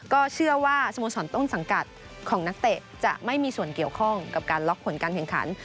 ก็เชื่อว่าสโมสรต้นสังกัดของนักเตะจะไม่มีส่วนเกี่ยวข้องกับการล็อกผลการแข่งขัน